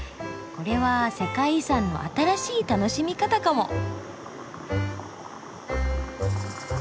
これは世界遺産の新しい楽しみ方かも。